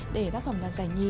để tác phẩm đoạt giải nhì